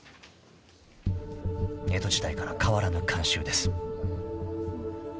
［江戸時代から変わらぬ慣習です］